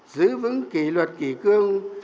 giữ vững kỷ luật kỷ cương